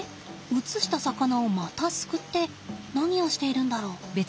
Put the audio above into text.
移した魚をまたすくって何をしているんだろう。